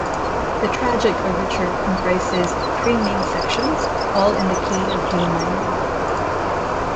The "Tragic Overture" comprises three main sections, all in the key of D minor.